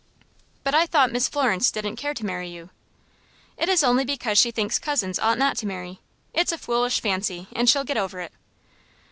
"But I thought Miss Florence didn't care to marry you?" "It is only because she thinks cousins ought not to marry. It's a foolish fancy, and she'll get over it."